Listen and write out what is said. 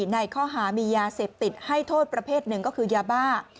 ในข้อหามียาเสพติดให้โทษประเภทหนึ่งก็คือยาบ้า